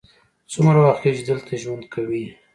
څومره وخت کیږی چې دلته ژوند کوې؟